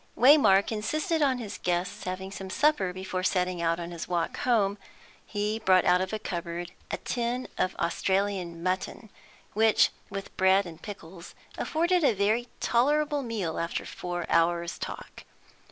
Waymark insisted on his guest's having some supper before setting out on his walk home; he brought out of a cupboard a tin of Australian mutton, which, with bread and pickles, afforded a very tolerable meal after four hours' talk.